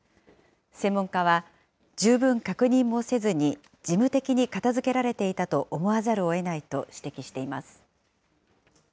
専門家は、十分確認もせずに事務的に片づけられていたと思わざるをえないと指摘しています。